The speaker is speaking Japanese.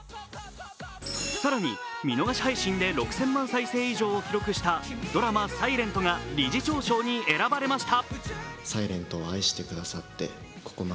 更に、見逃し配信で６０００万再生以上を記録したドラマ「ｓｉｌｅｎｔ」が理事長賞に選ばれました。